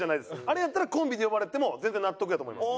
あれやったらコンビで呼ばれても全然納得やと思います。